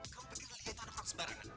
kamu bikin lia tanahkan sebarangan